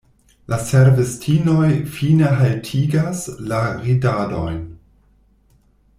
La servistinoj fine haltigas la ridadojn.